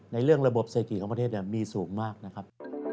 ในเรื่องระบบเศรษฐีของประเทศมีสูงมากนะครับ